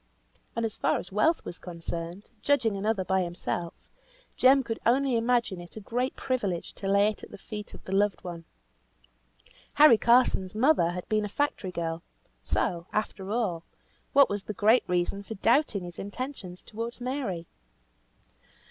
And, as far as wealth was concerned, judging another by himself, Jem could only imagine it a great privilege to lay it at the feet of the loved one. Harry Carson's mother had been a factory girl; so, after all, what was the great reason for doubting his intentions towards Mary?